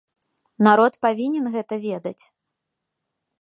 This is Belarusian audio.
Народ павінен гэта ведаць.